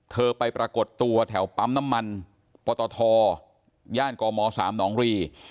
ไปปรากฏตัวแถวปั๊มน้ำมันปตทย่านกม๓หนองรี